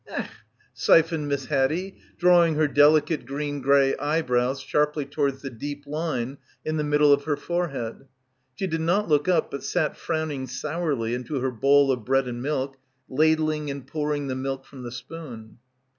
"Ech," syphoned Miss Haddie, drawing her delicate green grey eyebrows sharply towards the deep line in the middle of her forehead. She did not look up but sat frowning sourly into her bowl of bread and milk, ladling and pouring the milk from the spoon.